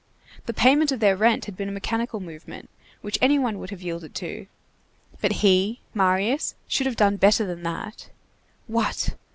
The payment of their rent had been a mechanical movement, which any one would have yielded to; but he, Marius, should have done better than that. What!